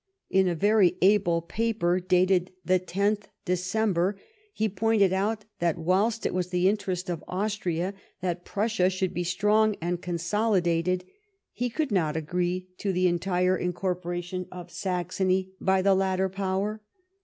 In a very able paper, dated the 10th December, he pointed out that whilst it was the interest of Austria that Prussia should be strong and consolidated, he could not agree to the entire incorporation of Saxony by the latter power.